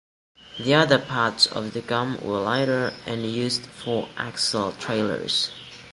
The other parts of the gun were lighter and used four-axle trailers.